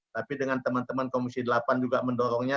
tapi dengan teman teman komisi delapan juga mendorongnya